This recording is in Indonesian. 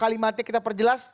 kalimatnya kita perjelas